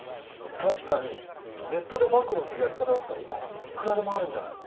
確かにネットで暴露するやり方だったら今はいくらでもあるんじゃないの？